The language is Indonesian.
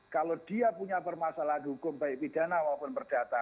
kalau dia punya permasalahan hukum baik pidana maupun perdata